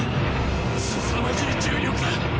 すさまじい重力だ！